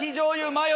マヨ？